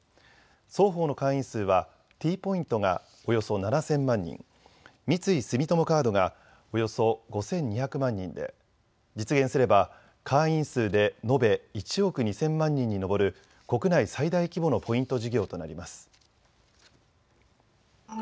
双方の会員数はＴポイントがおよそ７０００万人、三井住友カードがおよそ５２００万人で実現すれば会員数で延べ１億２０００万人に上る国内最大規模のポイント事業となります。